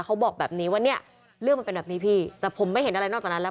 เขาบอกแบบนี้ว่าเนี่ยเรื่องมันเป็นแบบนี้พี่แต่ผมไม่เห็นอะไรนอกจากนั้นแล้ว